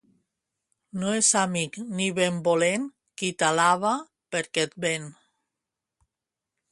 No és amic ni benvolent qui t'alaba perquè et ven.